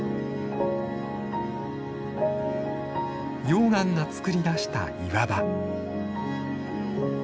溶岩がつくり出した岩場。